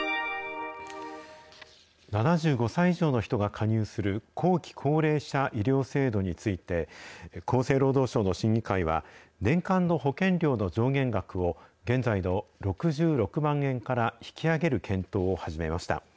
７５歳以上の人が加入する後期高齢者医療制度について、厚生労働省の審議会は、年間の保険料の上限額を現在の６６万円から引き上げる検討を始めました。